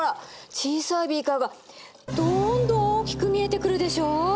小さいビーカーがどんどん大きく見えてくるでしょう！